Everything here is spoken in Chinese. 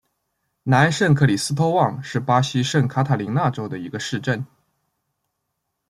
南圣克里斯托旺是巴西圣卡塔琳娜州的一个市镇。